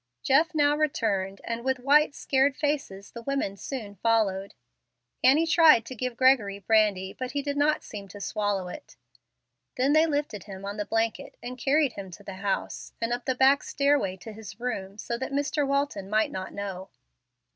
Jeff now returned, and, with white, scared faces, the women soon followed. Annie tried to give Gregory brandy, but he did not seem to swallow it. They then lifted him on the blanket and carried him to the house, and up the back stairway to his room, so that Mr. Walton might not know.